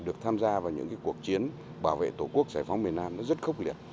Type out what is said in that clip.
được tham gia vào những cuộc chiến bảo vệ tổ quốc giải phóng việt nam rất khốc liệt